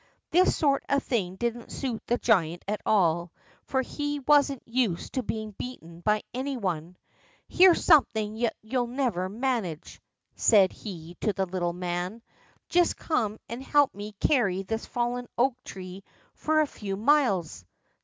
This sort of thing didn't suit the giant at all, for he wasn't used to being beaten by any one. "Here's something that you'll never manage," said he to the little man. "Just come and help me to carry this fallen oak tree for a few miles."